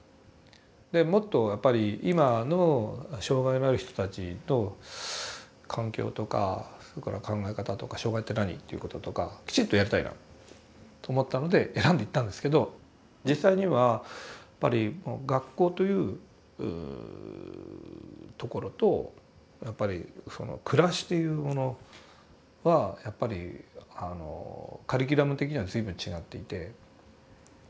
もっとやっぱり今の障害のある人たちと環境とかそれから考え方とか障害って何ということとかきちっとやりたいなと思ったので選んで行ったんですけど実際にはやっぱり学校というところとやっぱりその暮らしというものはやっぱりカリキュラム的には随分違っていて。